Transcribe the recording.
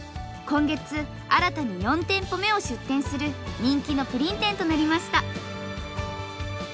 今月新たに４店舗目を出店する人気のプリン店となりました。